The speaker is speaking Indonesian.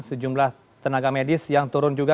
sejumlah tenaga medis yang turun juga